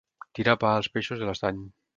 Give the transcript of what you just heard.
Tirar pa als peixos de l'estany.